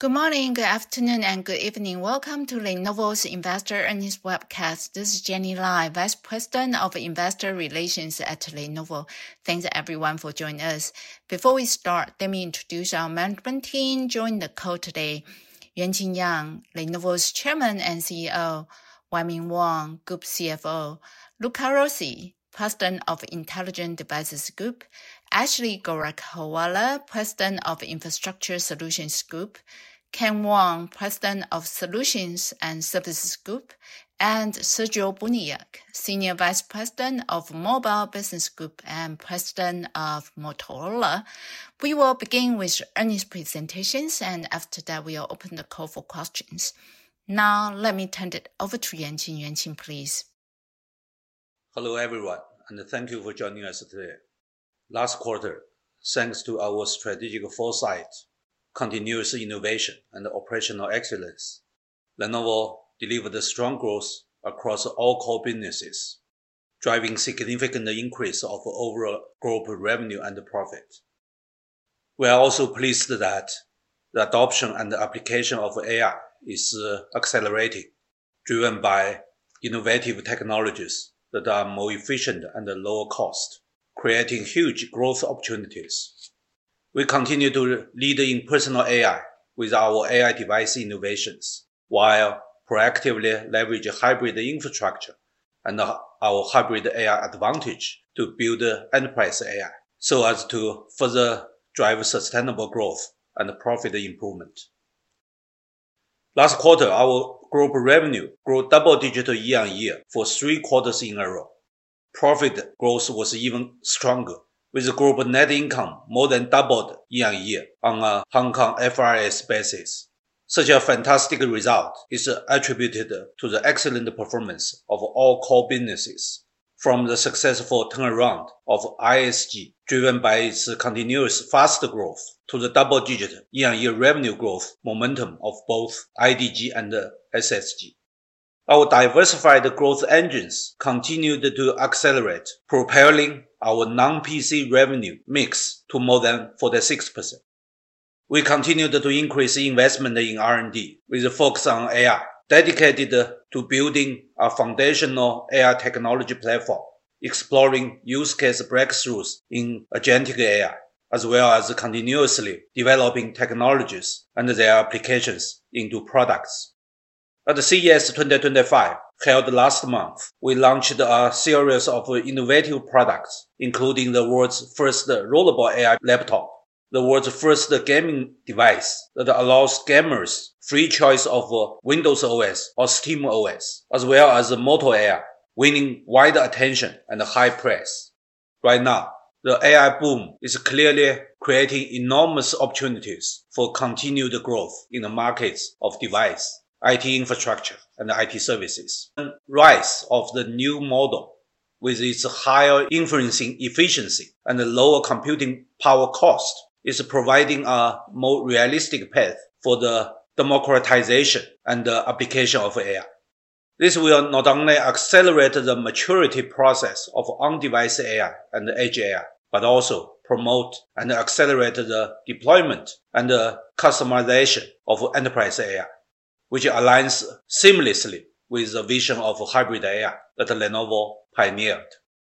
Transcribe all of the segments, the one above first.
Good morning, good afternoon, and good evening. Welcome to Lenovo's Investor Earnings Webcast. This is Jenny Lai, Vice President of Investor Relations at Lenovo. Thanks everyone for joining us. Before we start, let me introduce our management team joined the call today: Yuanqing Yang, Lenovo's Chairman and CEO; Wai Ming Wong, Group CFO; Luca Rossi, President of Intelligent Devices Group; Ashley Gorakhpurwalla, President of Infrastructure Solutions Group; Ken Wong, President of Solutions and Services Group; and Sergio Buniac, Senior Vice President of Mobile Business Group and President of Motorola. We will begin with earnings presentations, and after that, we'll open the call for questions. Now, let me turn it over to Yuanqing. Yuanqing, please. Hello everyone, and thank you for joining us today. Last quarter, thanks to our strategic foresight, continuous innovation, and operational excellence, Lenovo delivered strong growth across all core businesses, driving a significant increase of overall group revenue and profit. We are also pleased that the adoption and application of AI is accelerating, driven by innovative technologies that are more efficient and lower cost, creating huge growth opportunities. We continue to lead in personal AI with our AI device innovations, while proactively leveraging hybrid infrastructure and our Hybrid AI Advantage to build enterprise AI, so as to further drive sustainable growth and profit improvement. Last quarter, our group revenue grew double-digit year-on-year for three quarters in a row. Profit growth was even stronger, with group net income more than doubled year-on-year on a Hong Kong FRS basis. Such a fantastic result is attributed to the excellent performance of all core businesses, from the successful turnaround of ISG, driven by its continuous fast growth, to the double-digit year-on-year revenue growth momentum of both IDG and SSG. Our diversified growth engines continued to accelerate, propelling our non-PC revenue mix to more than 46%. We continued to increase investment in R&D with a focus on AI, dedicated to building a foundational AI technology platform, exploring use case breakthroughs in agentic AI, as well as continuously developing technologies and their applications into products. At the CES 2025, held last month, we launched a series of innovative products, including the world's first rollable AI laptop, the world's first gaming device that allows gamers free choice of Windows OS or SteamOS, as well as Moto AI, winning wide attention and high praise. Right now, the AI boom is clearly creating enormous opportunities for continued growth in the markets of device, IT infrastructure, and IT services. The rise of the new model, with its higher inferencing efficiency and lower computing power cost, is providing a more realistic path for the democratization and application of AI. This will not only accelerate the maturity process of on-device AI and edge AI, but also promote and accelerate the deployment and customization of enterprise AI, which aligns seamlessly with the vision of hybrid AI that Lenovo pioneered.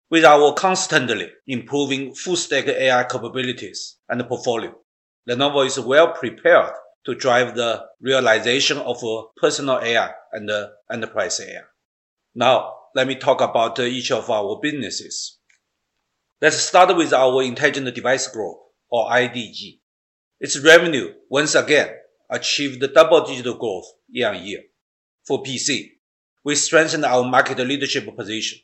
With our constantly improving full-stack AI capabilities and portfolio, Lenovo is well prepared to drive the realization of personal AI and enterprise AI. Now, let me talk about each of our businesses. Let's start with our Intelligent Devices Group, or IDG. Its revenue, once again, achieved double-digit growth year-on-year. For PC, we strengthened our market leadership position,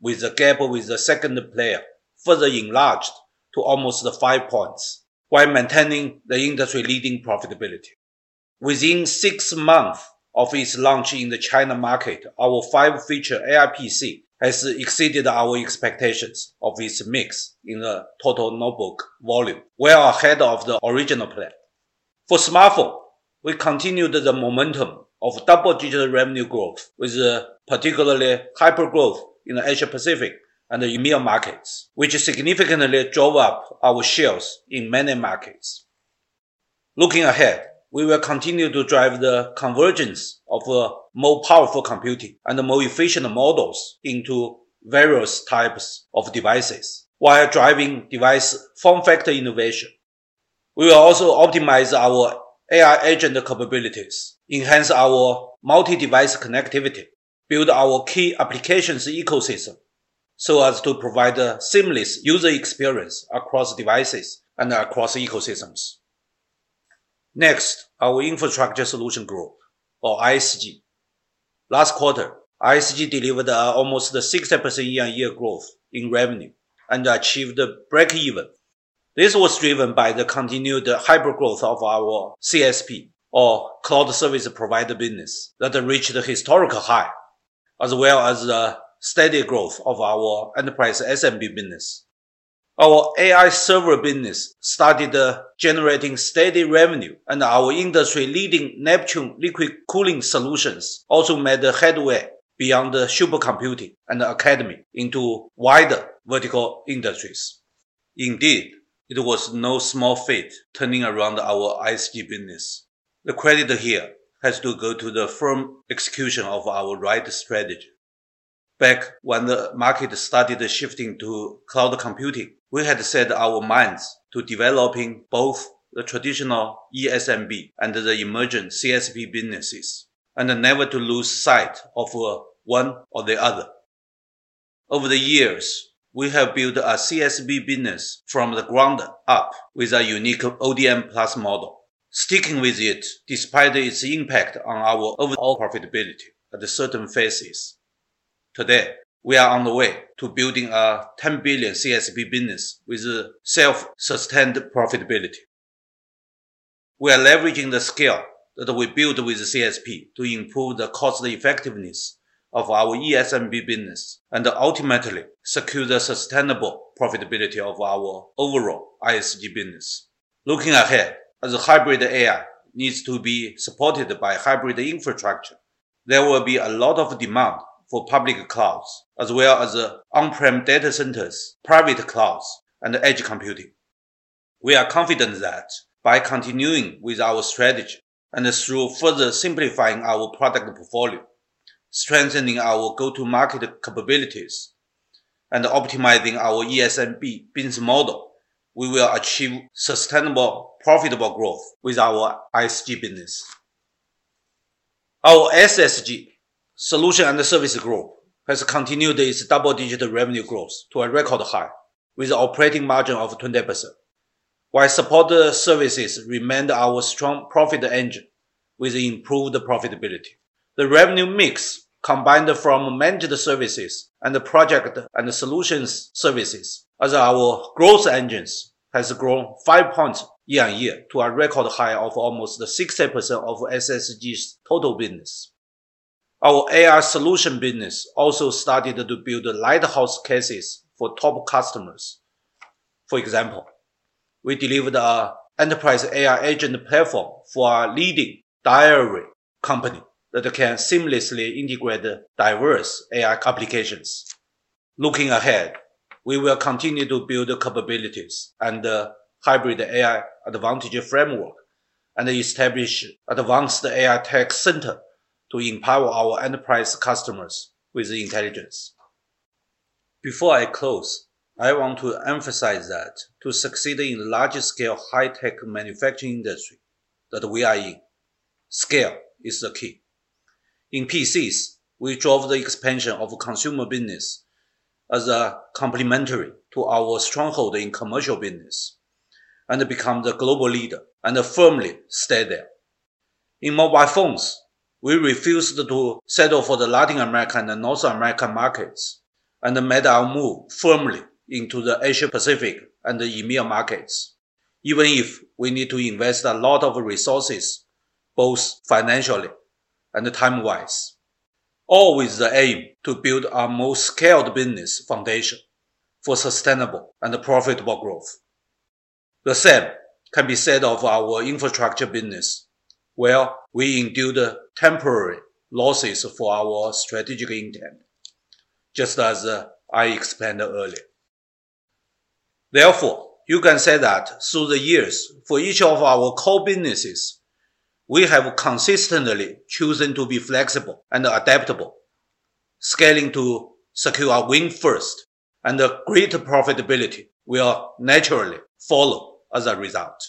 with the gap with the second player further enlarged to almost five points, while maintaining the industry-leading profitability. Within six months of its launch in the China market, our five-feature AI PC has exceeded our expectations of its mix in the total notebook volume, well ahead of the original plan. For Smartphone, we continued the momentum of double-digit revenue growth, with particularly hyper-growth in the Asia-Pacific and EMEA markets, which significantly drove up our shares in many markets. Looking ahead, we will continue to drive the convergence of more powerful computing and more efficient models into various types of devices, while driving device form factor innovation. We will also optimize our AI agent capabilities, enhance our multi-device connectivity, and build our key applications ecosystem so as to provide a seamless user experience across devices and across ecosystems. Next, our Infrastructure Solutions Group, or ISG. Last quarter, ISG delivered almost 60% year-on-year growth in revenue and achieved break-even. This was driven by the continued hyper-growth of our CSP, or Cloud Service Provider business, that reached a historical high, as well as the steady growth of our Enterprise SMB business. Our AI server business started generating steady revenue, and our industry-leading Neptune liquid cooling solutions also made headway beyond supercomputing and academia into wider vertical industries. Indeed, it was no small feat turning around our ISG business. The credit here has to go to the firm execution of our right strategy. Back when the market started shifting to cloud computing, we had set our minds to developing both the traditional ESMB and the emerging CSP businesses, and never to lose sight of one or the other. Over the years, we have built a CSP business from the ground up with a unique ODM+ model, sticking with it despite its impact on our overall profitability at certain phases. Today, we are on the way to building a 10 billion CSP business with self-sustained profitability. We are leveraging the scale that we built with CSP to improve the cost effectiveness of our ESMB business and ultimately secure the sustainable profitability of our overall ISG business. Looking ahead, as hybrid AI needs to be supported by hybrid infrastructure, there will be a lot of demand for public clouds, as well as on-prem data centers, private clouds, and edge computing. We are confident that by continuing with our strategy and through further simplifying our product portfolio, strengthening our go-to-market capabilities, and optimizing our ESMB business model, we will achieve sustainable profitable growth with our ISG business. Our SSG, Solution and Service Group, has continued its double-digit revenue growth to a record high, with an operating margin of 20%, while support services remained our strong profit engine with improved profitability. The revenue mix combined from managed services and project and solutions services as our growth engines has grown five points year-on-year to a record high of almost 60% of SSG's total business. Our AI solution business also started to build lighthouse cases for top customers. For example, we delivered an enterprise AI agent platform for a leading dairy company that can seamlessly integrate diverse AI applications. Looking ahead, we will continue to build capabilities and the Hybrid AI Advantage framework and establish an advanced AI tech center to empower our enterprise customers with intelligence. Before I close, I want to emphasize that to succeed in the large-scale high-tech manufacturing industry that we are in, scale is the key. In PCs, we drove the expansion of consumer business as a complementary to our stronghold in commercial business and became the global leader and firmly stayed there. In mobile phones, we refused to settle for the Latin American and North American markets and made our move firmly into the Asia-Pacific and EMEA markets, even if we need to invest a lot of resources, both financially and time-wise, all with the aim to build our most scaled business foundation for sustainable and profitable growth. The same can be said of our infrastructure business, where we endured temporary losses for our strategic intent, just as I explained earlier. Therefore, you can say that through the years, for each of our core businesses, we have consistently chosen to be flexible and adaptable, scaling to secure a win first, and greater profitability will naturally follow as a result.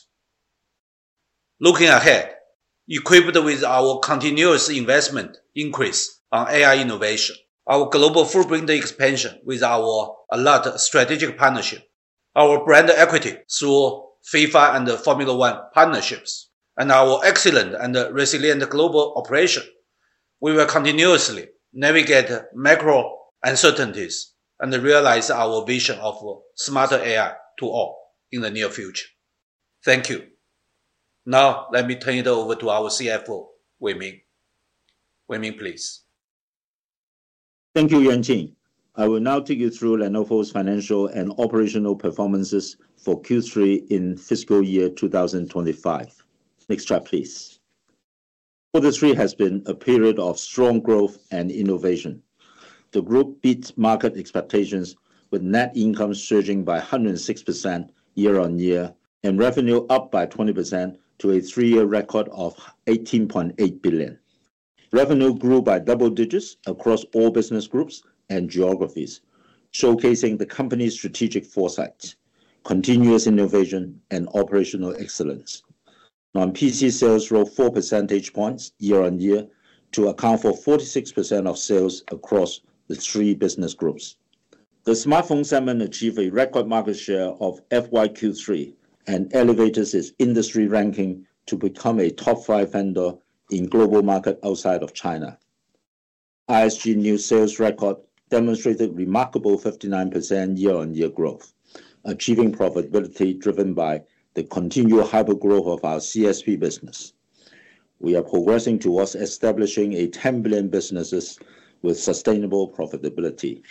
Looking ahead, equipped with our continuous investment increase on AI innovation, our global footprint expansion with our Alat strategic partnership, our brand equity through FIFA and Formula One partnerships, and our excellent and resilient global operation, we will continuously navigate macro uncertainties and realize our vision of smarter AI to all in the near future. Thank you. Now, let me turn it over to our CFO, Wai Ming. Wai Ming, please. Thank you, Yuanqing. I will now take you through Lenovo's financial and operational performances for Q3 in Fiscal Year 2025. Next slide, please. Q3 has been a period of strong growth and innovation. The group beat market expectations, with net income surging by 106% year-on-year and revenue up by 20% to a three-year record of $18.8 billion. Revenue grew by double digits across all business groups and geographies, showcasing the company's strategic foresight, continuous innovation, and operational excellence. Our PC sales rose four percentage points year-on-year to account for 46% of sales across the three business groups. The Smartphone segment achieved a record market share in FY Q3 and elevated its industry ranking to become a top five vendor in global markets outside of China. ISG's new sales record demonstrated remarkable 59% year-on-year growth, achieving profitability driven by the continued hyper-growth of our CSP business. We are progressing towards establishing a 10 billion business with sustainable profitability.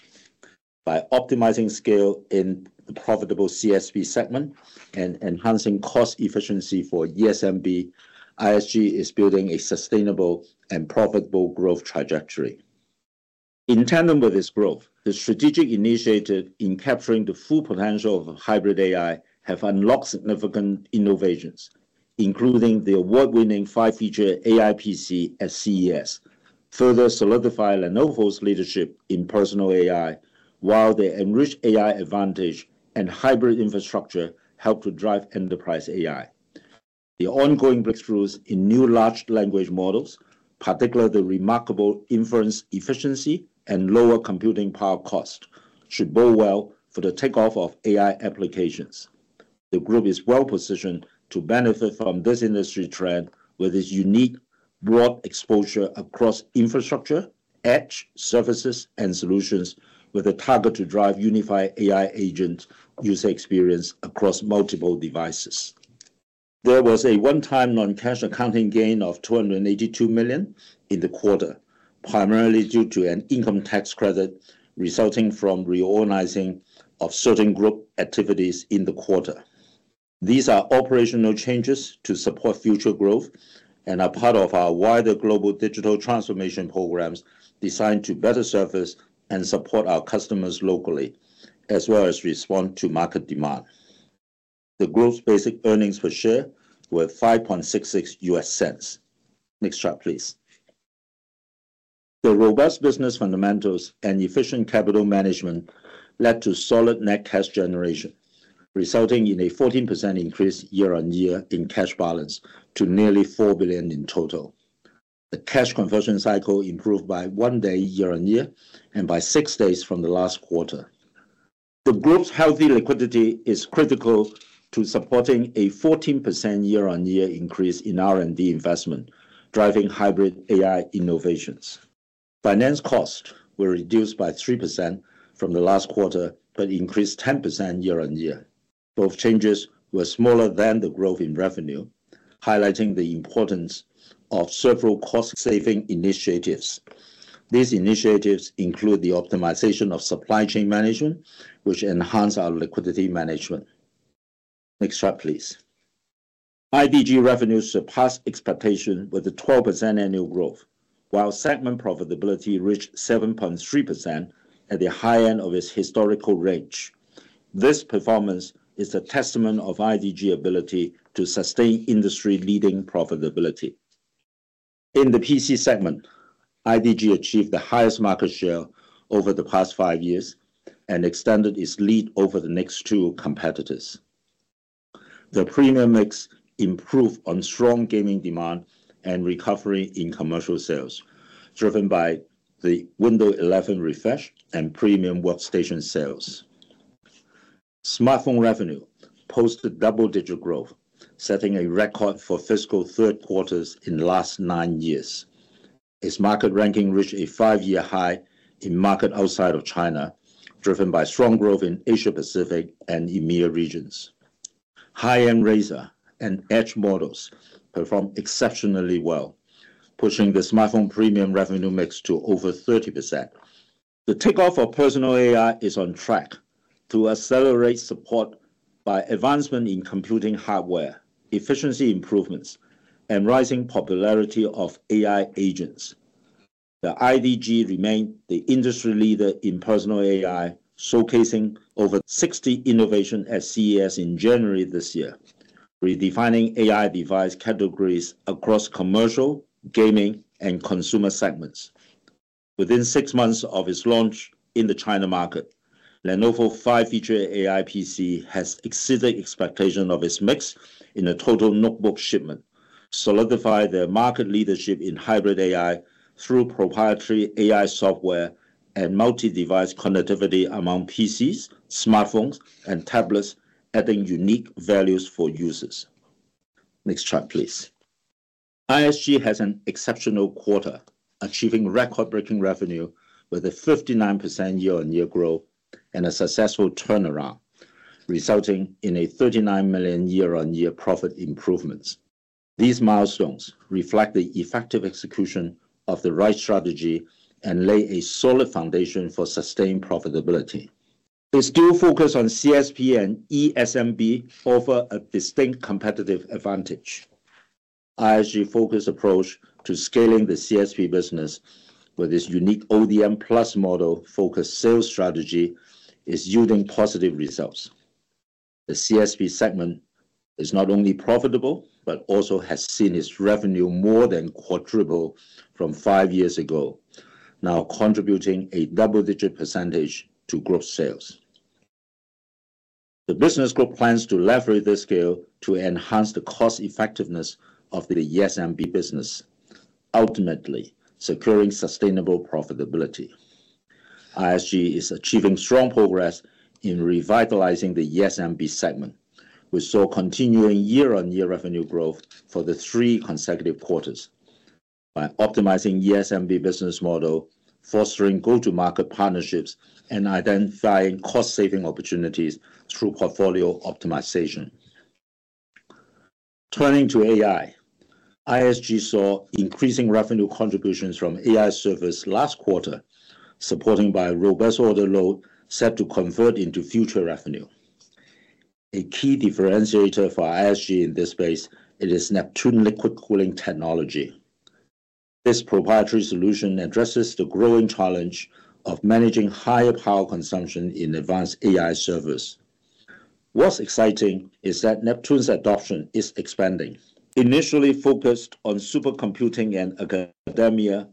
By optimizing scale in the profitable CSP segment and enhancing cost efficiency for ESMB, ISG is building a sustainable and profitable growth trajectory. In tandem with this growth, the strategic initiatives in capturing the full potential of hybrid AI have unlocked significant innovations, including the award-winning five-feature AI PC at CES, further solidifying Lenovo's leadership in personal AI, while the enriched AI advantage and hybrid infrastructure help to drive enterprise AI. The ongoing breakthroughs in new large language models, particularly the remarkable inference efficiency and lower computing power cost, should bode well for the takeoff of AI applications. The group is well positioned to benefit from this industry trend with its unique broad exposure across infrastructure, edge, services, and solutions, with a target to drive unified AI agent user experience across multiple devices. There was a one-time non-cash accounting gain of $282 million in the quarter, primarily due to an income tax credit resulting from reorganizing of certain group activities in the quarter. These are operational changes to support future growth and are part of our wider global digital transformation programs designed to better service and support our customers locally, as well as respond to market demand. The group's basic earnings per share were $0.0566. Next slide, please. The robust business fundamentals and efficient capital management led to solid net cash generation, resulting in a 14% increase year-on-year in cash balance to nearly $4 billion in total. The cash conversion cycle improved by one day year-on-year and by six days from the last quarter. The group's healthy liquidity is critical to supporting a 14% year-on-year increase in R&D investment, driving hybrid AI innovations. Finance costs were reduced by 3% from the last quarter but increased 10% year-on-year. Both changes were smaller than the growth in revenue, highlighting the importance of several cost-saving initiatives. These initiatives include the optimization of supply chain management, which enhanced our liquidity management. Next slide, please. IDG revenues surpassed expectations with a 12% annual growth, while segment profitability reached 7.3% at the high end of its historical range. This performance is a testament to IDG's ability to sustain industry-leading profitability. In the PC segment, IDG achieved the highest market share over the past five years and extended its lead over the next two competitors. The premium mix improved on strong gaming demand and recovery in commercial sales, driven by the Windows 11 refresh and premium workstation sales. Smartphone revenue posted double-digit growth, setting a record for fiscal third quarters in the last nine years. Its market ranking reached a five-year high in markets outside of China, driven by strong growth in Asia-Pacific and EMEA regions. High-end Razr and edge models performed exceptionally well, pushing the smartphone premium revenue mix to over 30%. The takeoff of personal AI is on track to accelerate support by advancements in computing hardware, efficiency improvements, and rising popularity of AI agents. The IDG remained the industry leader in personal AI, showcasing over 60 innovations at CES in January this year, redefining AI device categories across commercial, gaming, and consumer segments. Within six months of its launch in the China market, Lenovo's five-feature AI PC has exceeded expectations of its mix in a total notebook shipment, solidifying their market leadership in hybrid AI through proprietary AI software and multi-device connectivity among PCs, smartphones, and tablets, adding unique values for users. Next slide, please. ISG has an exceptional quarter, achieving record-breaking revenue with a 59% year-on-year growth and a successful turnaround, resulting in a $39 million year-on-year profit improvements. These milestones reflect the effective execution of the right strategy and lay a solid foundation for sustained profitability. Its dual focus on CSP and ESMB offers a distinct competitive advantage. ISG's focused approach to scaling the CSP business with its unique ODM+ model-focused sales strategy is yielding positive results. The CSP segment is not only profitable but also has seen its revenue more than quadruple from five years ago, now contributing a double-digit percentage to gross sales. The business group plans to leverage this scale to enhance the cost effectiveness of the ESMB business, ultimately securing sustainable profitability. ISG is achieving strong progress in revitalizing the ESMB segment, which saw continuing year-on-year revenue growth for the three consecutive quarters by optimizing the ESMB business model, fostering go-to-market partnerships, and identifying cost-saving opportunities through portfolio optimization. Turning to AI, ISG saw increasing revenue contributions from AI servers last quarter, supported by a robust order load set to convert into future revenue. A key differentiator for ISG in this space is its Neptune liquid cooling technology. This proprietary solution addresses the growing challenge of managing higher power consumption in advanced AI servers. What's exciting is that Neptune's adoption is expanding. Initially focused on supercomputing and academia,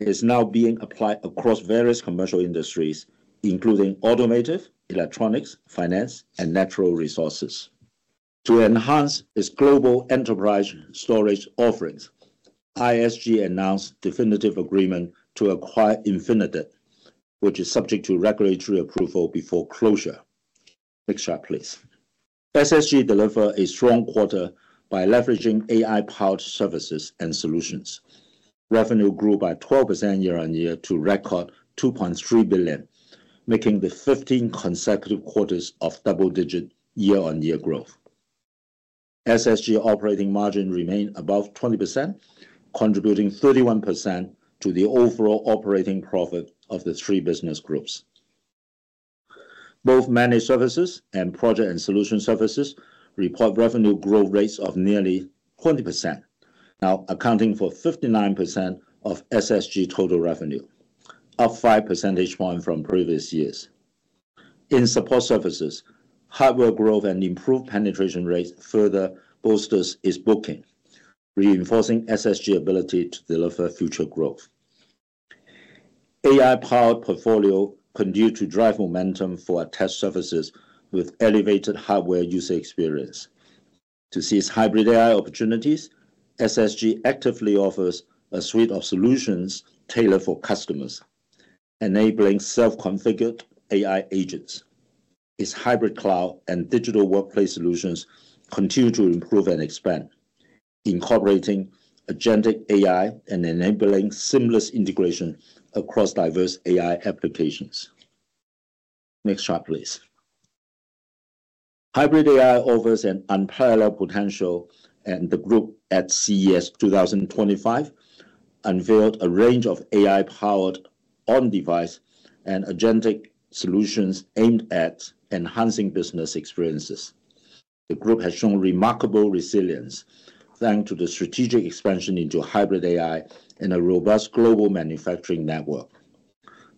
it is now being applied across various commercial industries, including automotive, electronics, finance, and natural resources. To enhance its global enterprise storage offerings, ISG announced a definitive agreement to acquire Infinidat, which is subject to regulatory approval before closure. Next slide, please. SSG delivered a strong quarter by leveraging AI-powered services and solutions. Revenue grew by 12% year-on-year to a record $2.3 billion, making the 15 consecutive quarters of double-digit year-on-year growth. SSG's operating margin remained above 20%, contributing 31% to the overall operating profit of the three business groups. Both managed services and project and solution services report revenue growth rates of nearly 20%, now accounting for 59% of SSG's total revenue, up five percentage points from previous years. In support services, hardware growth and improved penetration rates further boosted its booking, reinforcing SSG's ability to deliver future growth. AI-powered portfolio continues to drive momentum for attached services with elevated hardware user experience. To seize hybrid AI opportunities, SSG actively offers a suite of solutions tailored for customers, enabling self-configured AI agents. Its hybrid cloud and Digital Workplace Solutions continue to improve and expand, incorporating agentic AI and enabling seamless integration across diverse AI applications. Next slide, please. Hybrid AI offers an unparalleled potential, and the group at CES 2025 unveiled a range of AI-powered on-device and agentic solutions aimed at enhancing business experiences. The group has shown remarkable resilience, thanks to the strategic expansion into hybrid AI and a robust global manufacturing network.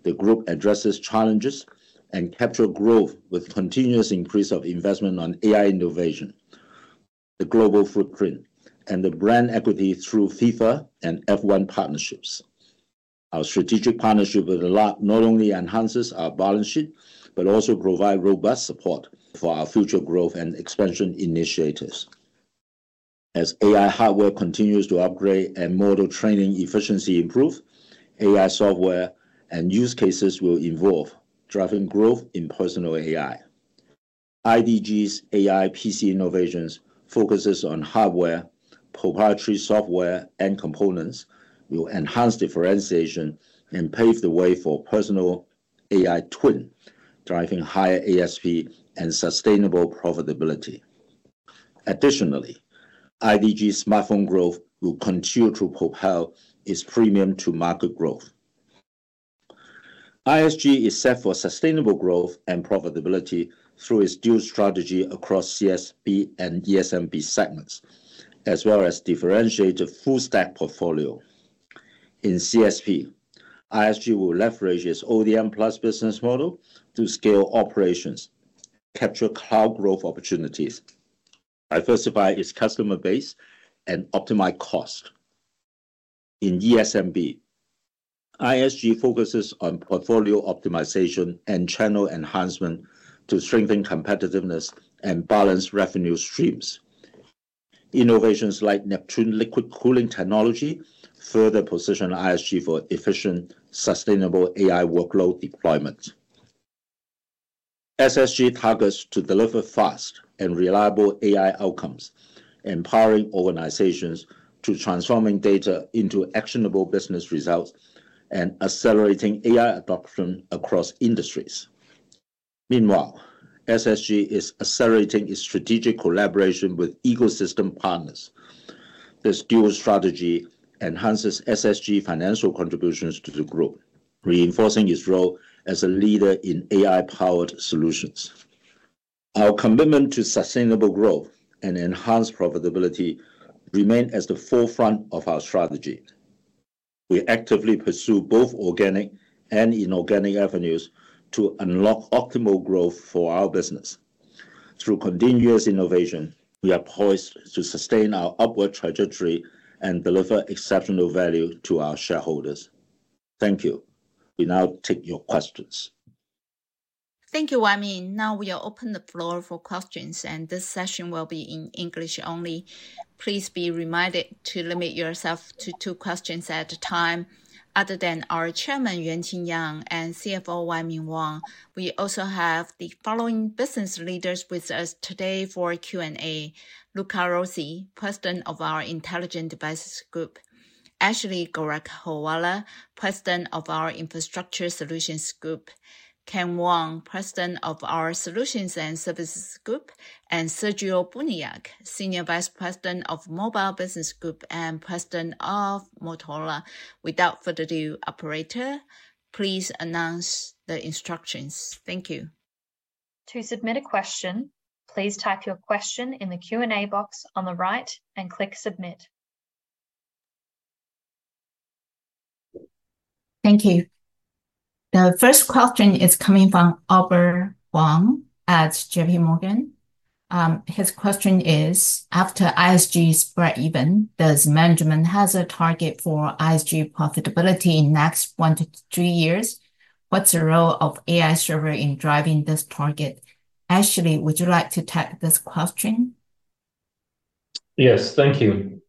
The group addresses challenges and captures growth with continuous increase of investment on AI innovation, the global footprint, and the brand equity through FIFA and F1 partnerships. Our strategic partnership with Alat not only enhances our balance sheet but also provides robust support for our future growth and expansion initiatives. As AI hardware continues to upgrade and model training efficiency improves, AI software and use cases will evolve, driving growth in personal AI. IDG's AI PC innovations, focused on hardware, proprietary software, and components, will enhance differentiation and pave the way for personal AI twin, driving higher ASP and sustainable profitability. Additionally, IDG's smartphone growth will continue to propel its premium-to-market growth. ISG is set for sustainable growth and profitability through its dual strategy across CSP and ESMB segments, as well as differentiating a full-stack portfolio. In CSP, ISG will leverage its ODM+ business model to scale operations, capture cloud growth opportunities, diversify its customer base, and optimize cost. In ESMB, ISG focuses on portfolio optimization and channel enhancement to strengthen competitiveness and balance revenue streams. Innovations like Neptune liquid cooling technology further position ISG for efficient, sustainable AI workload deployment. SSG targets to deliver fast and reliable AI outcomes, empowering organizations to transform data into actionable business results and accelerating AI adoption across industries. Meanwhile, SSG is accelerating its strategic collaboration with ecosystem partners. This dual strategy enhances SSG's financial contributions to the group, reinforcing its role as a leader in AI-powered solutions. Our commitment to sustainable growth and enhanced profitability remains at the forefront of our strategy. We actively pursue both organic and inorganic avenues to unlock optimal growth for our business. Through continuous innovation, we are poised to sustain our upward trajectory and deliver exceptional value to our shareholders. Thank you. We now take your questions. Thank you, Wai Ming. Now we will open the floor for questions, and this session will be in English only. Please be reminded to limit yourself to two questions at a time. Other than our Chairman, Yuanqing Yang, and CFO, Wai Ming Wong, we also have the following business leaders with us today for Q&A: Luca Rossi, President of our Intelligent Devices Group; Ashley Gorakhpurwalla, President of our Infrastructure Solutions Group; Ken Wong, President of our Solutions and Services Group; and Sergio Buniac, Senior Vice President of Mobile Business Group and President of Motorola. Without further ado, Operator. Please announce the instructions. Thank you. To submit a question, please type your question in the Q&A box on the right and click Submit. Thank you. The first question is coming from Albert Hung at JPMorgan. His question is, "After ISG's break-even, does management have a target for ISG profitability in the next one to three years? What's the role of AI servers in driving this target?" Ashley, would you like to take this question? Yes, thank you.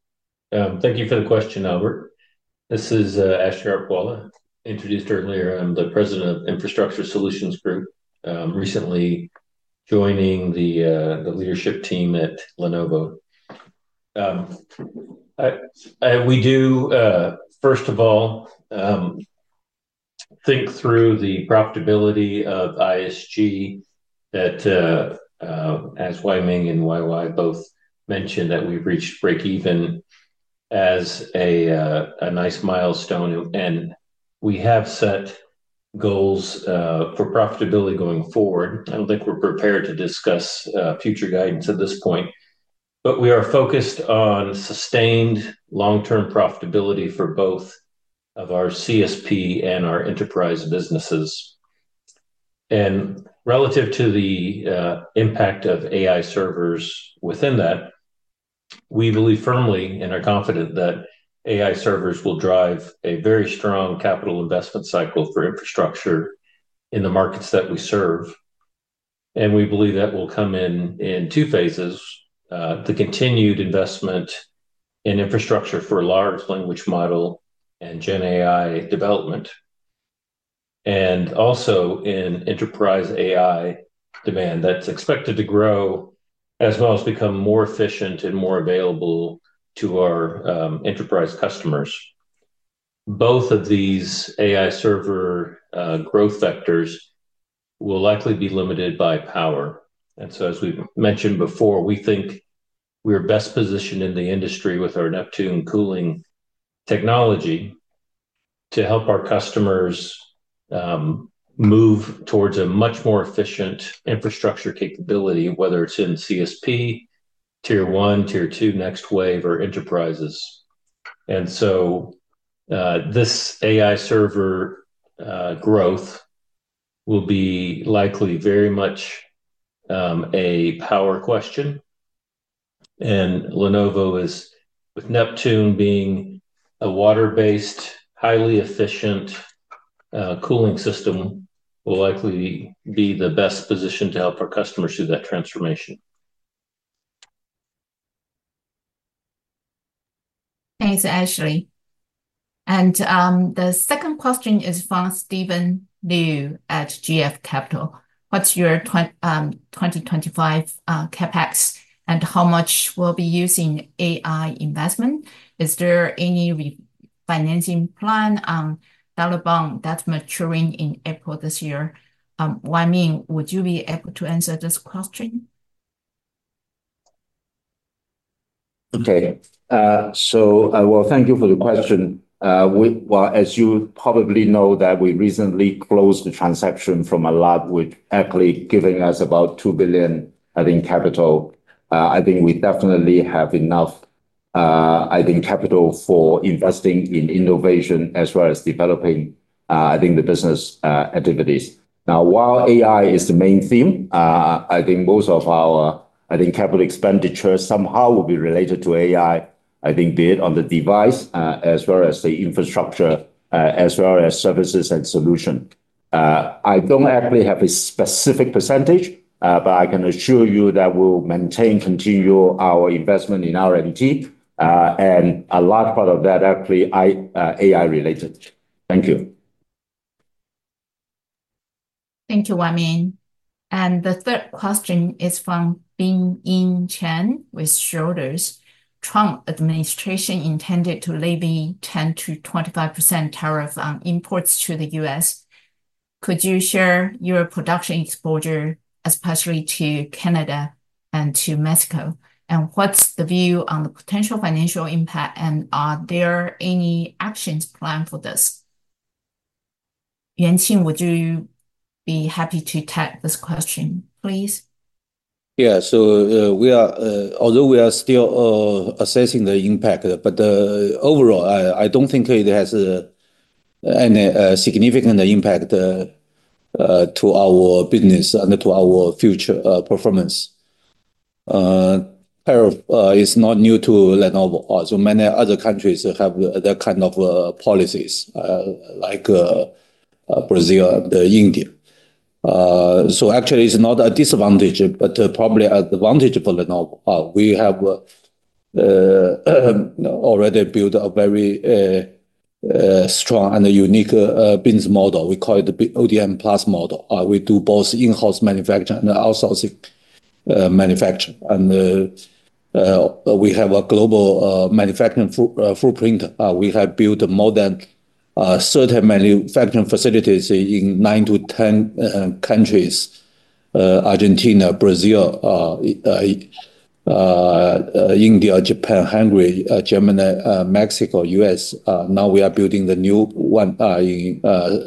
Thank you for the question, Albert. This is Ashley Gorakhpurwalla. I was introduced earlier. I'm the President of Infrastructure Solutions Group, recently joining the leadership team at Lenovo. We do, first of all, think through the profitability of ISG that, as Wai Ming and YY both mentioned, that we've reached break-even as a nice milestone, and we have set goals for profitability going forward. I don't think we're prepared to discuss future guidance at this point, but we are focused on sustained long-term profitability for both our CSP and our enterprise businesses, and relative to the impact of AI servers within that, we believe firmly and are confident that AI servers will drive a very strong capital investment cycle for infrastructure in the markets that we serve. And we believe that will come in two phases: the continued investment in infrastructure for large language models and GenAI development, and also in enterprise AI demand that's expected to grow as well as become more efficient and more available to our enterprise customers. Both of these AI server growth vectors will likely be limited by power. And so, as we've mentioned before, we think we're best positioned in the industry with our Neptune cooling technology to help our customers move towards a much more efficient infrastructure capability, whether it's in CSP, Tier 1, Tier 2, Next Wave, or enterprises. And so this AI server growth will be likely very much a power question. And Lenovo is, with Neptune being a water-based, highly efficient cooling system, will likely be the best position to help our customers through that transformation. Thanks, Ashley. The second question is from Steven Liu at GF Capital. "What's your 2025 CapEx, and how much will be used in AI investment? Is there any financing plan on the bond that's maturing in April this year?" Wai Ming, would you be able to answer this question? Okay. So, well, thank you for the question. Well, as you probably know, we recently closed the transaction with Alat, giving us about $2 billion, I think, capital. I think we definitely have enough, I think, capital for investing in innovation as well as developing, I think, the business activities. Now, while AI is the main theme, I think most of our capital expenditure somehow will be related to AI, I think, be it on the device as well as the infrastructure as well as services and solutions. I don't actually have a specific percentage, but I can assure you that we'll maintain continual investment in R&D, and a large part of that, actually, is AI-related. Thank you. Thank you, Wai Ming. And the third question is from Bingying Chen with Schroders. "Trump administration intended to levy a 10%-25% tariff on imports to the U.S. Could you share your production exposure, especially to Canada and to Mexico? And what's the view on the potential financial impact, and are there any actions planned for this?" Yuanqing, would you be happy to take this question, please? Yeah. So, although we are still assessing the impact, overall, I don't think it has any significant impact to our business and to our future performance. Tariff is not new to Lenovo. Also, many other countries have that kind of policies, like Brazil and India. So, actually, it's not a disadvantage, but probably an advantage for Lenovo. We have already built a very strong and unique business model. We call it the ODM+ model. We do both in-house manufacturing and outsourcing manufacturing. And we have a global manufacturing footprint. We have built more than 30 manufacturing facilities in nine to 10 countries: Argentina, Brazil, India, Japan, Hungary, Germany, Mexico, U.S. Now we are building the new one in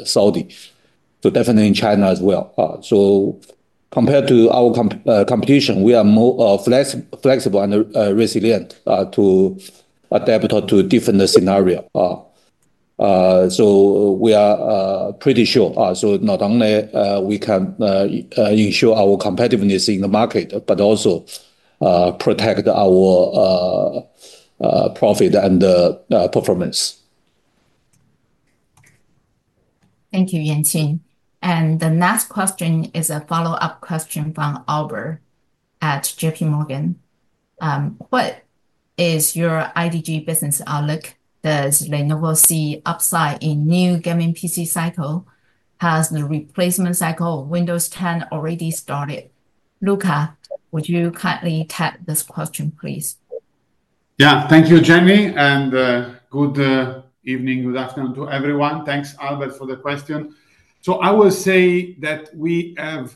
Saudi. So, definitely in China as well. So, compared to our competition, we are more flexible and resilient to adapt to different scenarios. So, we are pretty sure. So, not only can we ensure our competitiveness in the market, but also protect our profit and performance. Thank you, Yuanqing. And the next question is a follow-up question from Albert at JPMorgan. "What is your IDG business outlook? Does Lenovo see upside in the new gaming PC cycle? Has the replacement cycle of Windows 10 already started?" Luca, would you kindly take this question, please? Yeah. Thank you, Jenny. And good evening, good afternoon to everyone. Thanks, Albert, for the question. So, I will say that we have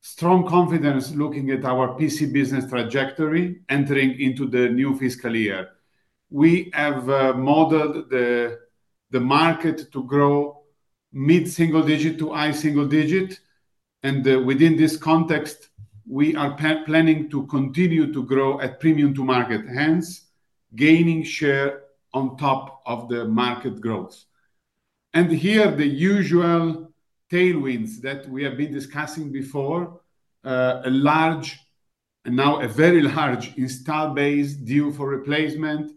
strong confidence looking at our PC business trajectory entering into the new fiscal year. We have modeled the market to grow mid-single digit to high single digit. And within this context, we are planning to continue to grow at premium-to-market, hence gaining share on top of the market growth. And here, the usual tailwinds that we have been discussing before: a large, and now a very large install base deal for replacement,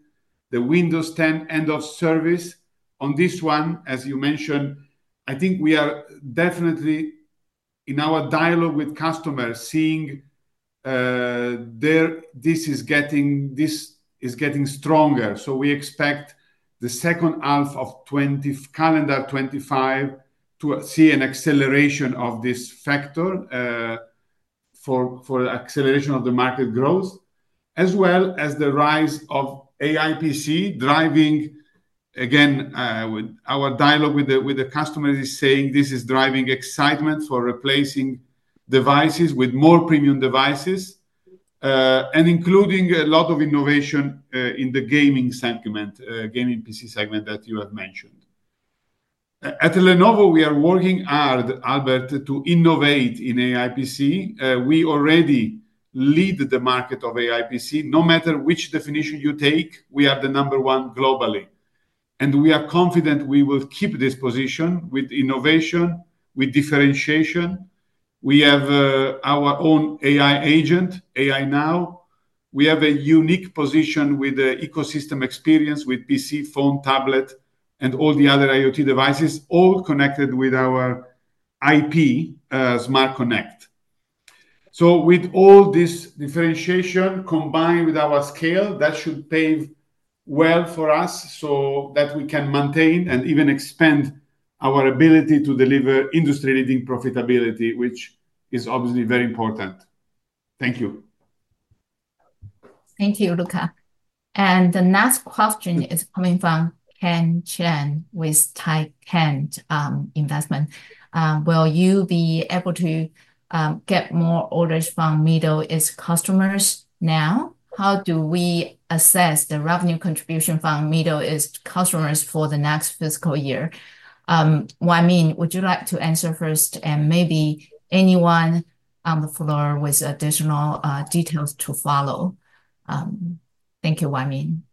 the Windows 10 end-of-service. On this one, as you mentioned, I think we are definitely, in our dialogue with customers, seeing this is getting stronger. We expect the second half of Calendar 2025 to see an acceleration of this factor for acceleration of the market growth, as well as the rise of AI PC driving. Again, with our dialogue with the customers, is saying this is driving excitement for replacing devices with more premium devices and including a lot of innovation in the gaming segment, gaming PC segment that you have mentioned. At Lenovo, we are working hard, Albert, to innovate in AI PC. We already lead the market of AI PC. No matter which definition you take, we are the number one globally. And we are confident we will keep this position with innovation, with differentiation. We have our own AI agent, AI Now. We have a unique position with the ecosystem experience with PC, phone, tablet, and all the other IoT devices, all connected with our IP Smart Connect. So, with all this differentiation combined with our scale, that should pave well for us so that we can maintain and even expand our ability to deliver industry-leading profitability, which is obviously very important. Thank you. Thank you, Luca. And the next question is coming from Ken Chen with Taikang Asset Management. "Will you be able to get more orders from Middle East customers now? How do we assess the revenue contribution from Middle East customers for the next fiscal year?" Wai Ming, would you like to answer first and maybe anyone on the floor with additional details to follow? Thank you, Wai Ming.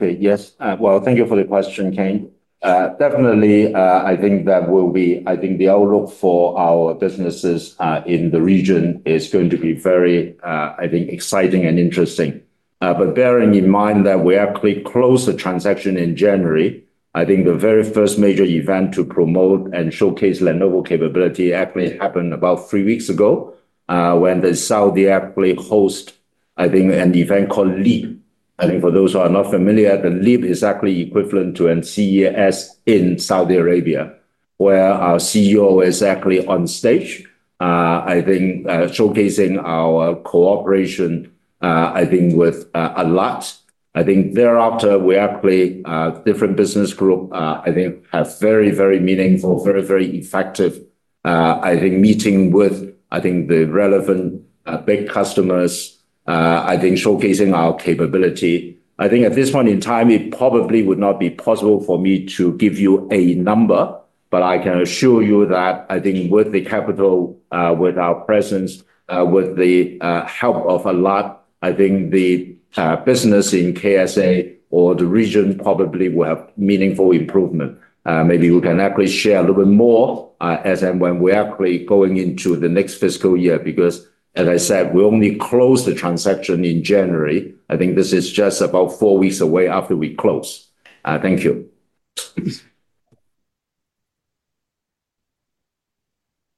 Yes. Well, thank you for the question, Ken. Definitely, I think that will be the outlook for our businesses in the region is going to be very, I think, exciting and interesting. But bearing in mind that we actually closed the transaction in January, I think the very first major event to promote and showcase Lenovo capability actually happened about three weeks ago when the Saudi actually host, I think, an event called LEAP. I think for those who are not familiar, the LEAP is actually equivalent to a CES in Saudi Arabia, where our CEO is actually on stage, I think, showcasing our cooperation, I think, with Alat. I think thereafter, we actually different business groups, I think, have very, very meaningful, very, very effective meeting with, I think, the relevant big customers, I think, showcasing our capability. I think at this point in time, it probably would not be possible for me to give you a number, but I can assure you that, I think, with the capital, with our presence, with the help of Alat, I think the business in KSA or the region probably will have meaningful improvement. Maybe we can actually share a little bit more as and when we're actually going into the next fiscal year because, as I said, we only closed the transaction in January. I think this is just about four weeks away after we close. Thank you.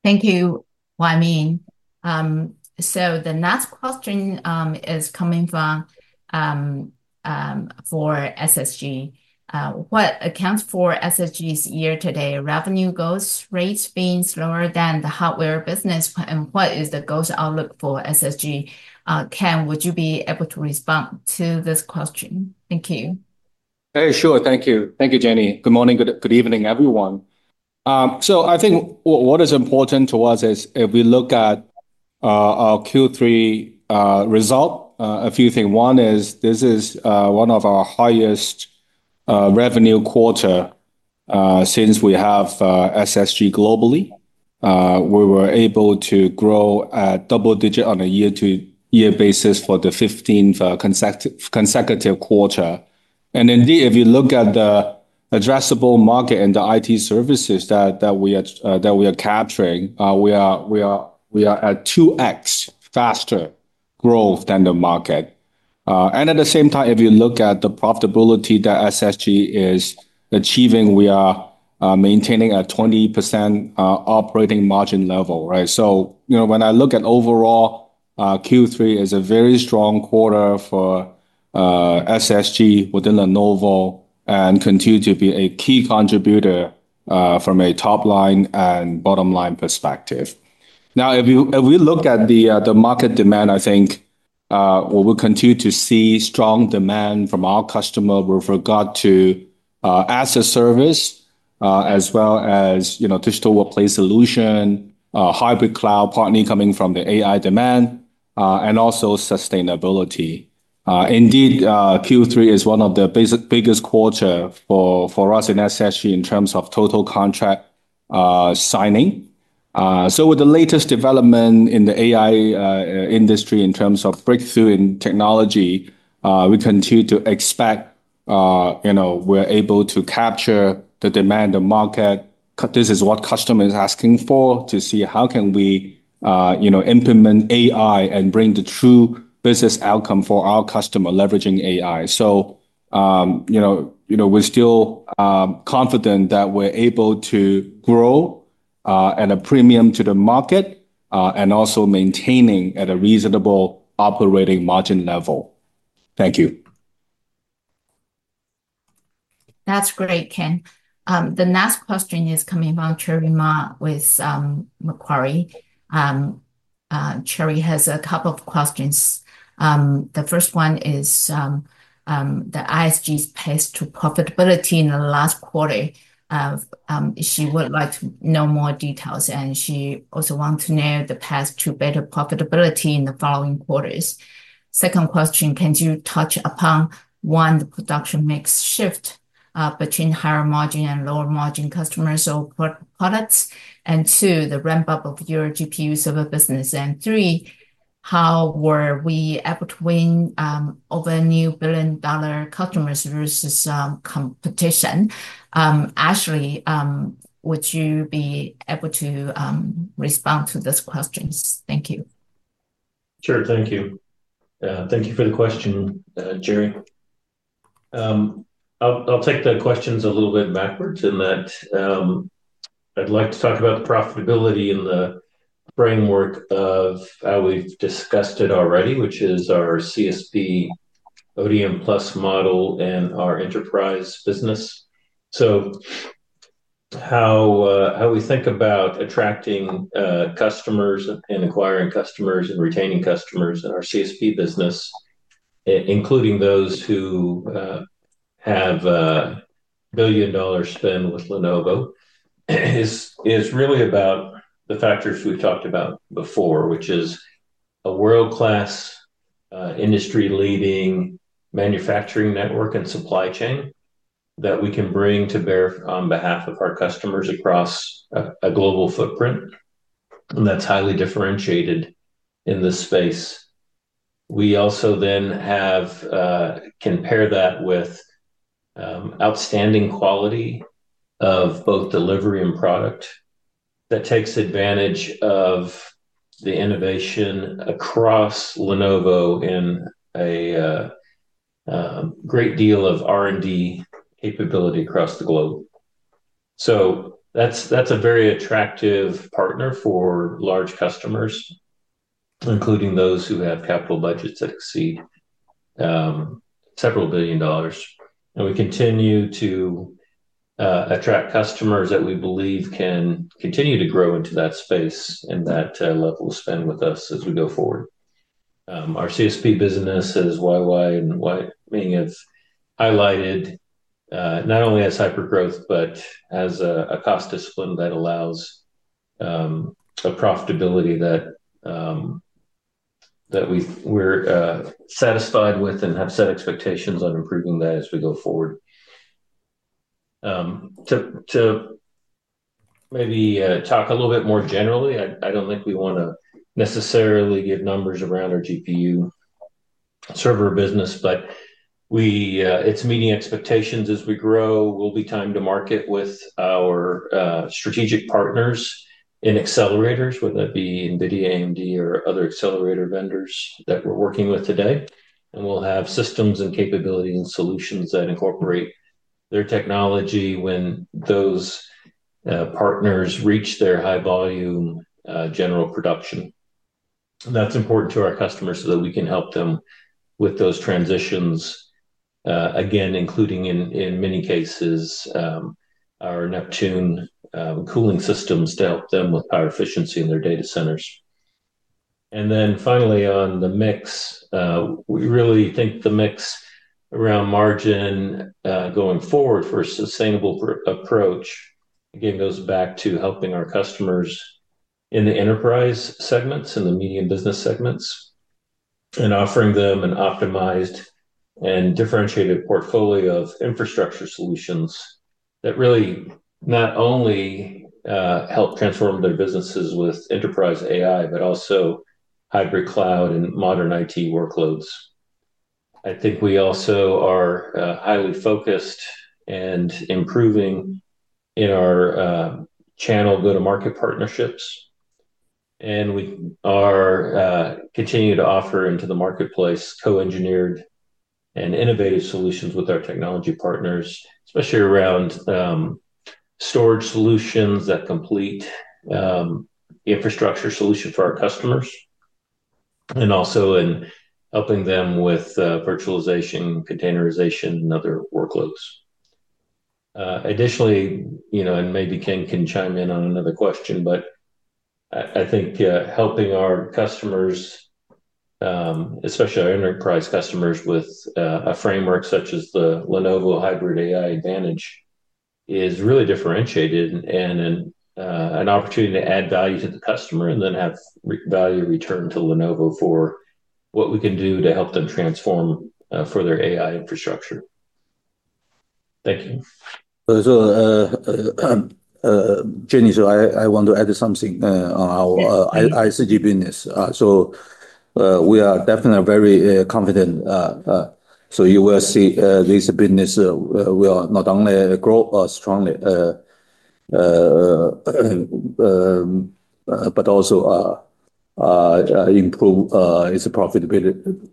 Thank you, Wai Ming. So, the next question is coming for SSG. "What accounts for SSG's year-to-date revenue growth rates being slower than the hardware business, and what is the growth outlook for SSG?" Ken, would you be able to respond to this question? Thank you. Sure. Thank you. Thank you, Jenny. Good morning. Good evening, everyone. So, I think what is important to us is if we look at our Q3 result, a few things. One is this is one of our highest revenue quarters since we have SSG globally. We were able to grow at double digit on a year-to-year basis for the 15th consecutive quarter. And indeed, if you look at the addressable market in the IT services that we are capturing, we are at 2x faster growth than the market. And at the same time, if you look at the profitability that SSG is achieving, we are maintaining a 20% operating margin level, right? So, when I look at overall, Q3 is a very strong quarter for SSG within Lenovo and continue to be a key contributor from a top-line and bottom-line perspective. Now, if we look at the market demand, I think we will continue to see strong demand from our customer. We forgot to add the service as well as Digital Workplace Solution, hybrid cloud partly coming from the AI demand, and also sustainability. Indeed, Q3 is one of the biggest quarters for us in SSG in terms of total contract signing. So, with the latest development in the AI industry in terms of breakthrough in technology, we continue to expect we're able to capture the demand of market. This is what customers are asking for, to see how can we implement AI and bring the true business outcome for our customer leveraging AI. So, we're still confident that we're able to grow at a premium to the market and also maintaining at a reasonable operating margin level. Thank you. That's great, Ken. The next question is coming from Cherry Ma with Macquarie. Cherry has a couple of questions. The first one is the ISG's pace to profitability in the last quarter. She would like to know more details, and she also wants to know the pace to better profitability in the following quarters. Second question, can you touch upon, one, the production mix shift between higher margin and lower margin customers or products, and two, the ramp-up of your GPU server business, and three, how were we able to win over a new billion-dollar customers versus competition? Ashley, would you be able to respond to these questions? Thank you. Sure. Thank you. Thank you for the question, Cherry. I'll take the questions a little bit backwards in that I'd like to talk about the profitability in the framework of how we've discussed it already, which is our CSP ODM+ model and our enterprise business, so how we think about attracting customers and acquiring customers and retaining customers in our CSP business, including those who have a $1 billion spend with Lenovo, is really about the factors we've talked about before, which is a world-class industry-leading manufacturing network and supply chain that we can bring to bear on behalf of our customers across a global footprint, and that's highly differentiated in this space. We also then can pair that with outstanding quality of both delivery and product that takes advantage of the innovation across Lenovo and a great deal of R&D capability across the globe. So, that's a very attractive partner for large customers, including those who have capital budgets that exceed several billion dollars. We continue to attract customers that we believe can continue to grow into that space and that level of spend with us as we go forward. Our CSP business, as YY and Wai Ming have highlighted, not only as hyper-growth, but as a cost discipline that allows a profitability that we're satisfied with and have set expectations on improving that as we go forward. To maybe talk a little bit more generally, I don't think we want to necessarily give numbers around our GPU server business, but it's meeting expectations as we grow. We'll be on time to market with our strategic partners in accelerators, whether that be NVIDIA, AMD, or other accelerator vendors that we're working with today. We'll have systems and capabilities and solutions that incorporate their technology when those partners reach their high-volume general production. That's important to our customers so that we can help them with those transitions, again, including in many cases, our Neptune cooling systems to help them with power efficiency in their data centers. Finally, on the mix, we really think the mix around margin going forward for a sustainable approach, again, goes back to helping our customers in the enterprise segments and the medium business segments and offering them an optimized and differentiated portfolio of infrastructure solutions that really not only help transform their businesses with enterprise AI, but also hybrid cloud and modern IT workloads. I think we also are highly focused and improving in our channel go-to-market partnerships. We continue to offer into the marketplace co-engineered and innovative solutions with our technology partners, especially around storage solutions that complete infrastructure solutions for our customers and also in helping them with virtualization, containerization, and other workloads. Additionally, and maybe Ken can chime in on another question, but I think helping our customers, especially our enterprise customers, with a framework such as the Lenovo Hybrid AI Advantage is really differentiated and an opportunity to add value to the customer and then have value returned to Lenovo for what we can do to help them transform for their AI infrastructure. Thank you. Jenny, I want to add something on our ICG business. We are definitely very confident. You will see this business will not only grow strongly, but also improve its profitability.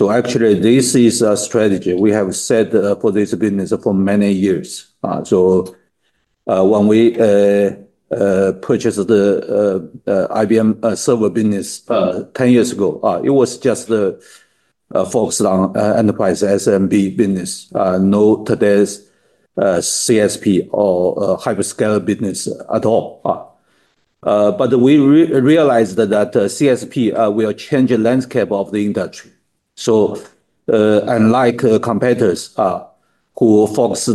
Actually, this is a strategy we have set for this business for many years. So when we purchased the IBM server business 10 years ago, it was just focused on Enterprise SMB business, not today's CSP or hyperscale business at all. But we realized that CSP will change the landscape of the industry. So unlike competitors who focus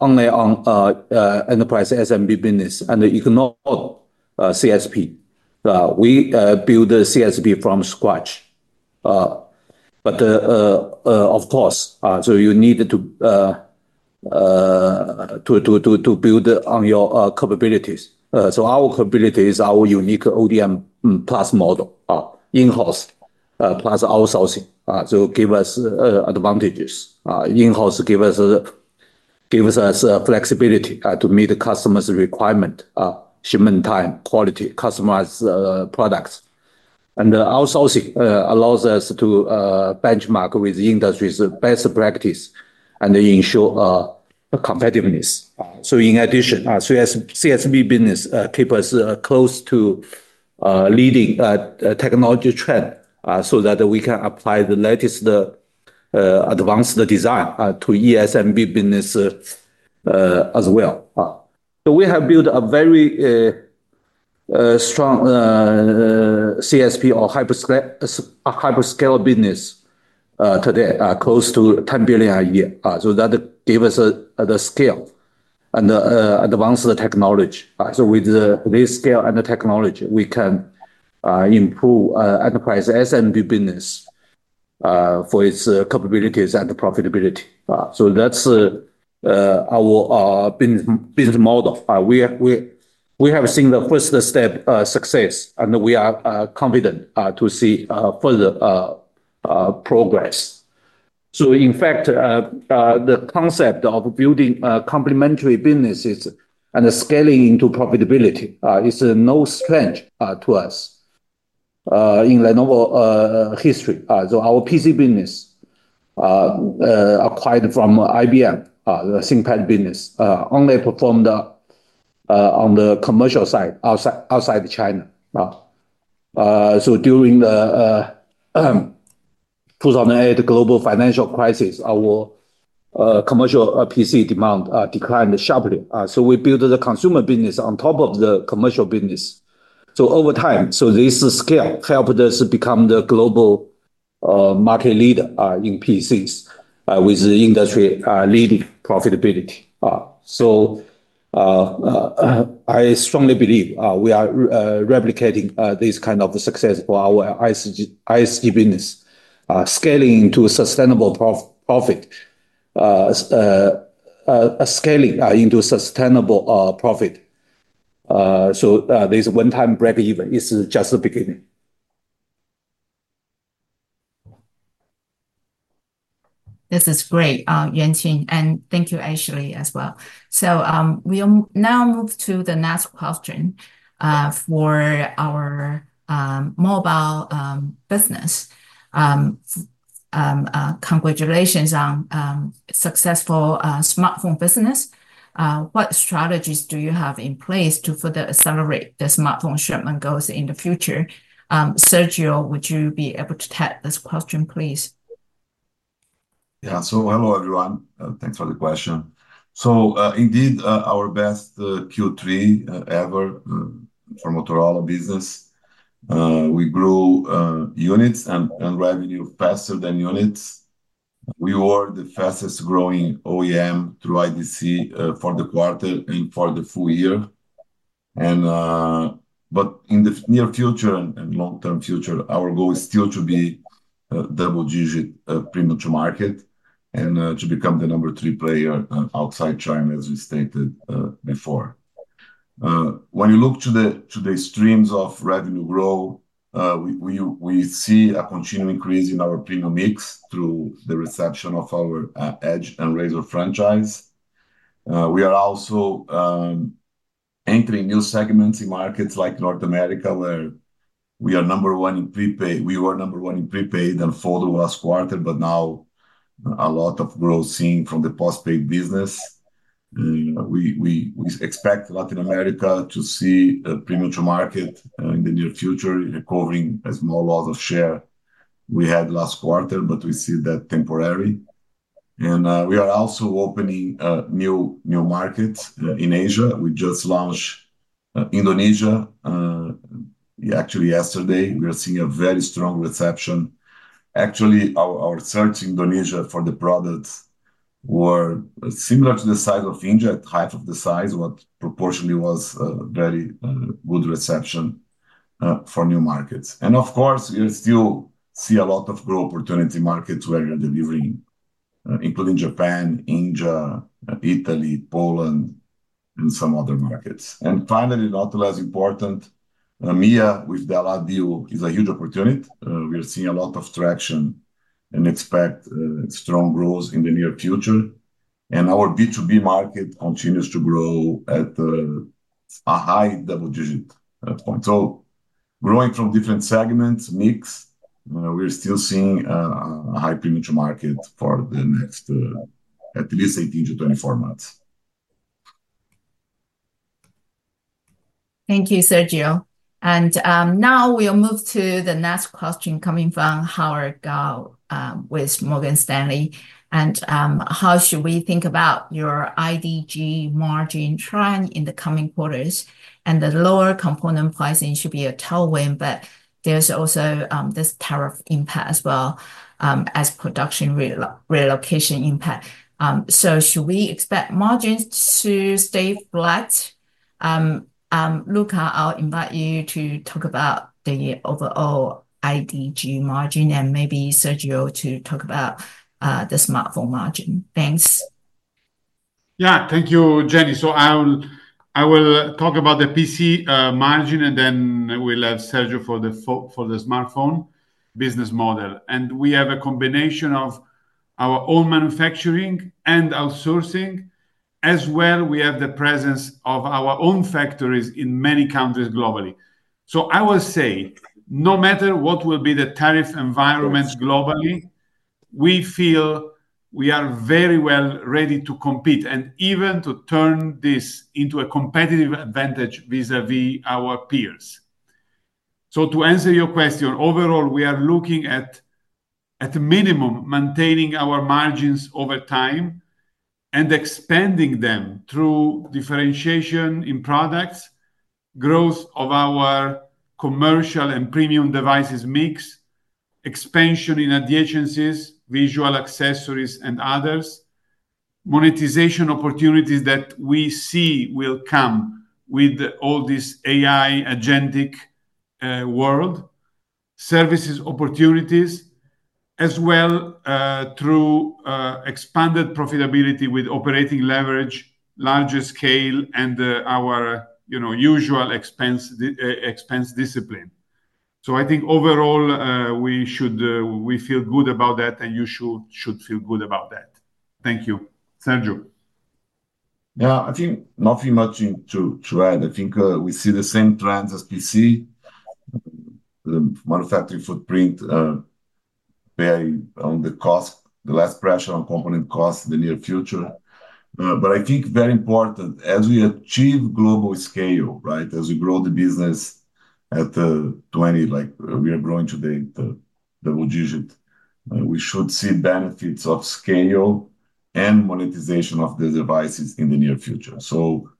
only on Enterprise SMB business and ignore CSP, we built CSP from scratch. But of course, so you need to build on your capabilities. So our capability is our unique ODM+ model, in-house plus outsourcing. So it gives us advantages. In-house gives us flexibility to meet customers' requirements, shipment time, quality, customized products. And outsourcing allows us to benchmark with the industry's best practice and ensure competitiveness. So in addition, CSP business keeps us close to leading technology trends so that we can apply the latest advanced design to ESMB business as well. So we have built a very strong CSP or hyperscale business today, close to $10 billion a year. So that gives us the scale and advanced technology. So with this scale and the technology, we can improve enterprise SMB business for its capabilities and profitability. So that's our business model. We have seen the first step success, and we are confident to see further progress. So in fact, the concept of building complementary businesses and scaling into profitability is no strange to us in Lenovo history. So our PC business acquired from IBM, the ThinkPad business, only performed on the commercial side outside China. So during the 2008 global financial crisis, our commercial PC demand declined sharply. So we built the consumer business on top of the commercial business. So over time, this scale helped us become the global market leader in PCs with the industry-leading profitability. So, I strongly believe we are replicating this kind of success for our ISG business, scaling into sustainable profit, so, this one-time break-even is just the beginning. This is great, Yuanqing, and thank you, Ashley, as well. So, we now move to the next question for our mobile business. "Congratulations on successful smartphone business. What strategies do you have in place to further accelerate the smartphone shipment goals in the future?" Sergio, would you be able to take this question, please? Yeah. So, hello, everyone. Thanks for the question. So, indeed, our best Q3 ever for Motorola business. We grew units and revenue faster than units. We were the fastest-growing OEM through IDC for the quarter and for the full year. But in the near future and long-term future, our goal is still to be double-digit premium-to-market and to become the number three player outside China, as we stated before. When you look to the streams of revenue growth, we see a continuing increase in our premium mix through the reception of our Edge and Razr franchise. We are also entering new segments in markets like North America, where we are number one in prepaid. We were number one in prepaid and foldables last quarter, but now a lot of growth seen from the postpaid business. We expect Latin America to see a premium-to-market in the near future, recovering a small loss of share we had last quarter, but we see that temporary. And we are also opening new markets in Asia. We just launched Indonesia. Actually, yesterday, we were seeing a very strong reception. Actually, our sales in Indonesia for the products was similar to the size of India, at half of the size, which proportionally was a very good reception for new markets. And of course, you still see a lot of growth opportunity markets where you're delivering, including Japan, India, Italy, Poland, and some other markets. And finally, not less important, EMEA with hybrid cloud is a huge opportunity. We are seeing a lot of traction and expect strong growth in the near future. And our B2B market continues to grow at a high double-digit point. So growing from different segments mix, we're still seeing a high premium-to-market for the next at least 18 months-24 months. Thank you, Sergio. And now we'll move to the next question coming from Howard Kao with Morgan Stanley. "And how should we think about your IDG margin trend in the coming quarters? And the lower component pricing should be a tailwind, but there's also this tariff impact as well as production relocation impact. So should we expect margins to stay flat?" Luca, I'll invite you to talk about the overall IDG margin and maybe Sergio to talk about the smartphone margin. Thanks. Yeah. Thank you, Jenny. So I will talk about the PC margin, and then we'll have Sergio for the smartphone business model. And we have a combination of our own manufacturing and outsourcing. As well, we have the presence of our own factories in many countries globally. So I will say, no matter what will be the tariff environment globally, we feel we are very well ready to compete and even to turn this into a competitive advantage vis-à-vis our peers. To answer your question, overall, we are looking at, at a minimum, maintaining our margins over time and expanding them through differentiation in products, growth of our commercial and premium devices mix, expansion in adjacencies, visual accessories, and others, monetization opportunities that we see will come with all this agentic AI world, services opportunities, as well through expanded profitability with operating leverage, larger scale, and our usual expense discipline. I think overall, we feel good about that, and you should feel good about that. Thank you. Sergio. Yeah. I think nothing much to add. I think we see the same trends as PC, the manufacturing footprint, pain on the cost, the less pressure on component costs in the near future. But I think very important, as we achieve global scale, right, as we grow the business at 20, like we are growing today to double-digit, we should see benefits of scale and monetization of the devices in the near future. So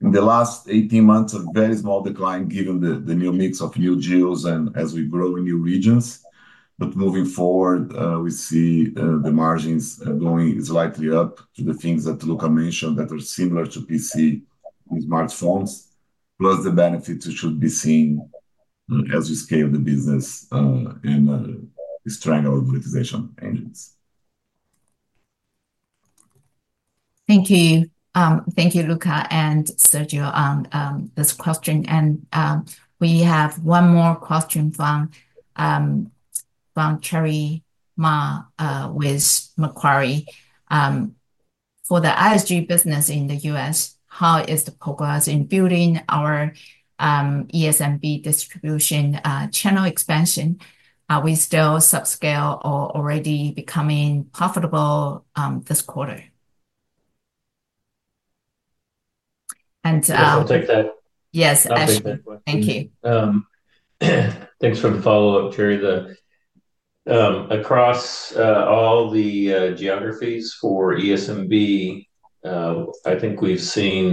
in the last 18 months, a very small decline given the new mix of new deals and as we grow in new regions. But moving forward, we see the margins going slightly up to the things that Luca mentioned that are similar to PCs and smartphones, plus the benefits should be seen as we scale the business and strengthen our monetization engines. Thank you. Thank you, Luca and Sergio, on this question. And we have one more question from Cherry Ma with Macquarie. "For the ISG business in the U.S., how is the progress in building our ESMB distribution channel expansion? Are we still subscale or already becoming profitable this quarter?" And I'll take that. Yes, Ashley. Thank you. Thanks for the follow-up, Cherry. Across all the geographies for ESMB, I think we've seen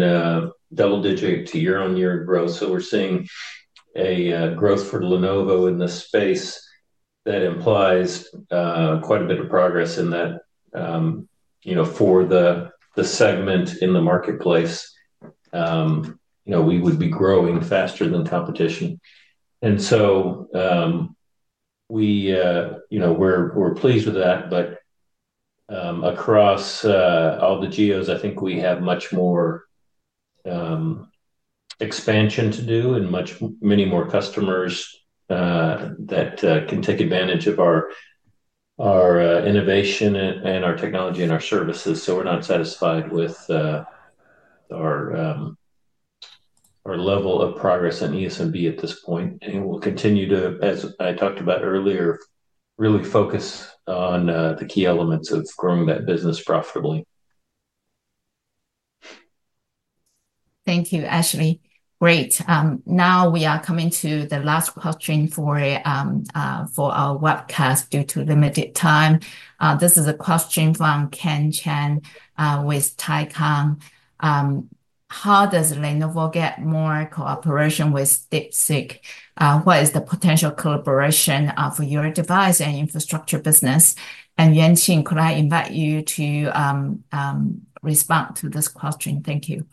double-digit year-on-year growth. So we're seeing a growth for Lenovo in the space that implies quite a bit of progress in that for the segment in the marketplace, we would be growing faster than competition. And so we're pleased with that. But across all the geos, I think we have much more expansion to do and many more customers that can take advantage of our innovation and our technology and our services. So we're not satisfied with our level of progress in ESMB at this point. And we'll continue to, as I talked about earlier, really focus on the key elements of growing that business profitably. Thank you, Ashley. Great. Now we are coming to the last question for our webcast due to limited time. This is a question from Ken Chen with Taikang. "How does Lenovo get more cooperation with DeepSeek? What is the potential collaboration for your device and infrastructure business?" And Yuanqing, could I invite you to respond to this question? Thank you.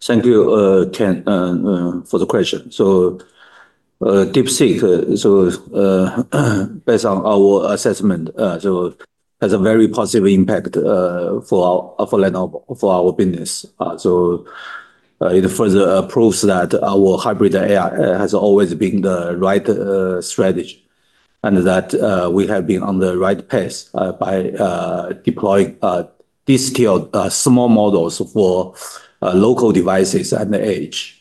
Thank you, Ken, for the question. So DeepSeek, so based on our assessment, has a very positive impact for Lenovo, for our business. So it further proves that our hybrid AI has always been the right strategy and that we have been on the right path by deploying these small models for local devices and edge.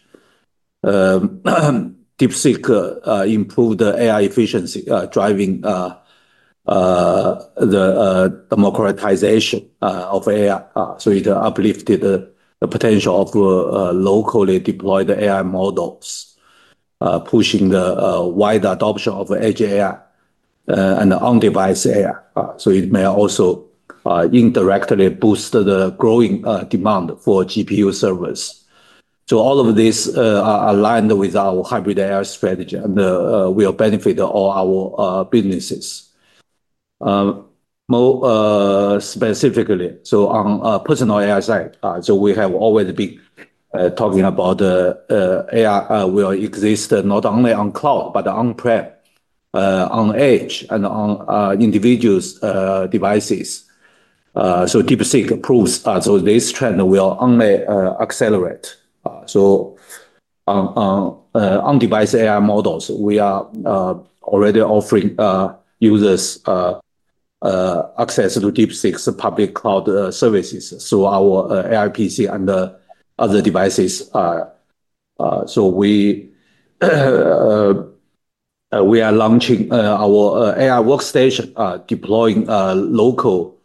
DeepSeek improved AI efficiency, driving the democratization of AI. So it uplifted the potential of locally deployed AI models, pushing the wider adoption of edge AI and on-device AI. It may also indirectly boost the growing demand for GPU servers. All of these are aligned with our hybrid AI strategy, and we will benefit all our businesses. More specifically, on a personal AI side, we have always been talking about AI will exist not only on cloud, but on-prem, on edge, and on individual devices. DeepSeek proves this trend will only accelerate. On-device AI models, we are already offering users access to DeepSeek's public cloud services. Our AI PC and other devices. We are launching our AI workstation, deploying local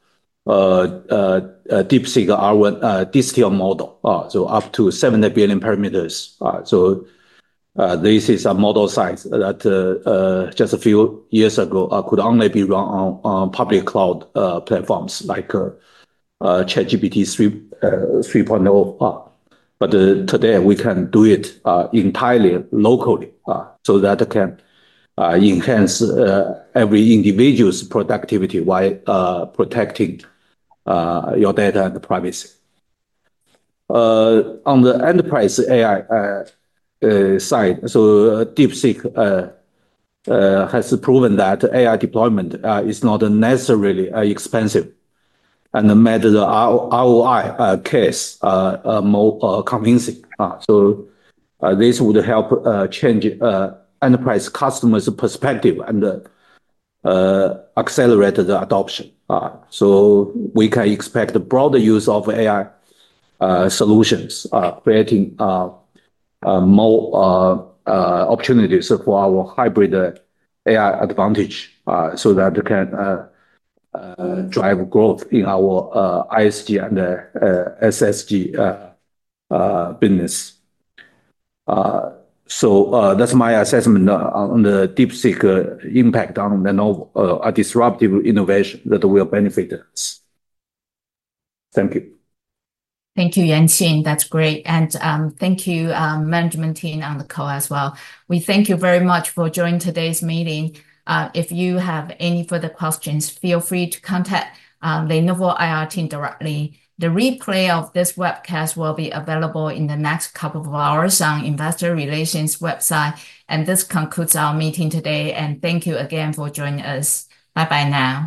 DeepSeek-R1 distilled model up to 7 billion parameters. This is a model size that just a few years ago could only be run on public cloud platforms like ChatGPT 3.0. But today, we can do it entirely locally so that can enhance every individual's productivity while protecting your data and privacy. On the enterprise AI side, so DeepSeek has proven that AI deployment is not necessarily expensive and made the ROI case more convincing, so this would help change enterprise customers' perspective and accelerate the adoption, so we can expect a broader use of AI solutions, creating more opportunities for our Hybrid AI Advantage so that it can drive growth in our ISG and SSG business, so that's my assessment on the DeepSeek impact on Lenovo, a disruptive innovation that will benefit us. Thank you. Thank you, Yuanqing. That's great, and thank you, management team on the call as well. We thank you very much for joining today's meeting. If you have any further questions, feel free to contact Lenovo IR team directly. The replay of this webcast will be available in the next couple of hours on the Investor Relations website, and this concludes our meeting today, and thank you again for joining us. Bye-bye now.